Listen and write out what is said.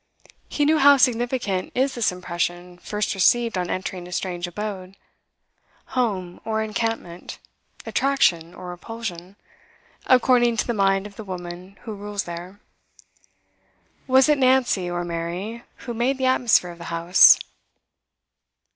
He knew how significant is this impression first received on entering a strange abode; home or encampment, attraction or repulsion, according to the mind of the woman who rules there. Was it Nancy, or Mary, who made the atmosphere of the house?